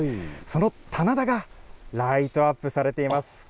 その棚田がライトアップされています。